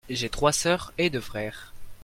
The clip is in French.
J'ai trois sœurs et deux frères.